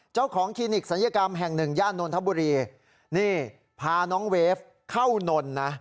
คลินิกศัลยกรรมแห่งหนึ่งย่านนทบุรีนี่พาน้องเวฟเข้านนนะ